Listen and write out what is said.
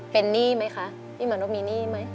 เป็นหนี้ไหมคะพี่มานพมีหนี้ไหม